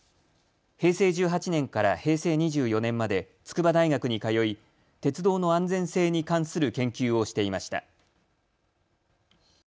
平成１８年から平成２４年まで筑波大学に通い鉄道の安全性に関する研究をしていました。